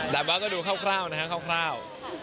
เดินไปก็ดูคร่าวนะครับ